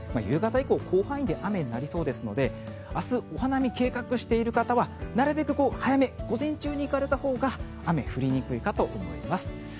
夕方以降、広範囲で雨になりそうですので明日、お花見を計画している方はなるべく早め午前中に行かれたほうが雨が降りにくいかと思います。